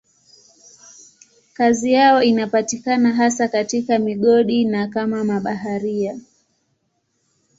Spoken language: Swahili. Kazi yao inapatikana hasa katika migodi na kama mabaharia.